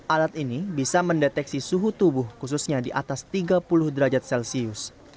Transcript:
alat ini bisa mendeteksi suhu tubuh khususnya di atas tiga puluh derajat celcius